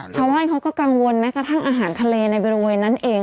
ชาวบ้านเขาก็กังวลแม้กระทั่งอาหารทะเลในบริเวณนั้นเอง